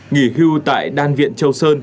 nghỉ hưu tại đan viện châu sơn